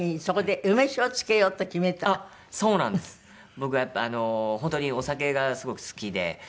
僕やっぱあの本当にお酒がすごく好きで。